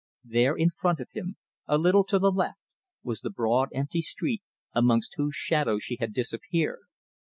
There in front of him, a little to the left, was the broad empty street amongst whose shadows she had disappeared.